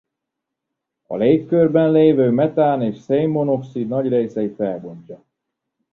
A légkörben lévő metán és szén-monoxid nagy részét felbontja.